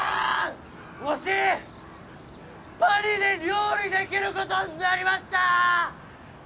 わしパリで料理できることになりました！